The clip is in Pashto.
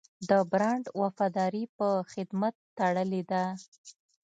د برانډ وفاداري په خدمت تړلې ده.